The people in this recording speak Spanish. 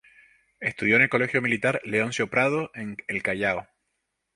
Estudió en el Colegio Militar "Leoncio Prado" en el Callao.